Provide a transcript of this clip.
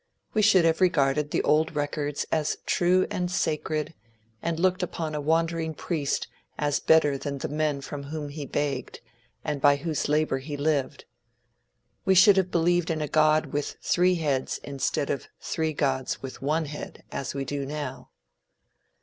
We should have regarded the old records as true and sacred, and looked upon a wandering priest as better than the men from whom he begged, and by whose labor he lived. We should have believed in a god with three heads instead of three gods with one head, as we do now.